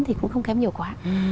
thì cũng không kém nhiều quá